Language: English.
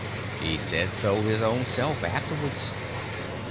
He said so his own self afterwards.